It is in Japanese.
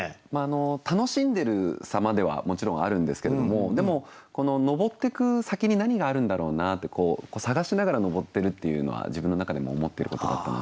楽しんでる様ではもちろんあるんですけれどもでもこの昇ってく先に何があるんだろうなって探しながら昇ってるっていうのは自分の中でも思ってることだったので。